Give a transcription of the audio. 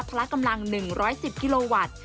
ละกำลัง๑๑๐กิโลวัตต์